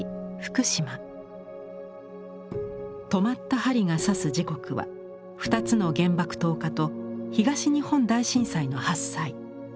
止まった針がさす時刻は２つの原爆投下と東日本大震災の発災。